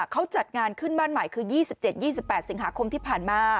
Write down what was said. เขาจัดงานขึ้นบ้านใหม่คือยี่สิบเจ็ดยี่สิบแปดสิงหาคมที่ผ่านมา